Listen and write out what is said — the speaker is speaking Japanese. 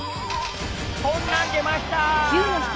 こんなん出ました。